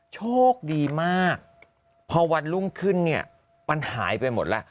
โชคดีมากพอวันรุ่งขึ้นเนี่ยมันหายไปหมดแล้ว